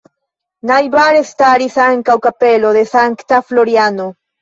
Najbare staris ankaŭ kapelo de Sankta Floriano.